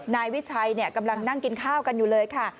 นายวิชัยกำลังนั่งกินข้าวกันอยู่เลยค่ะ